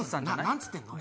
何つってんの？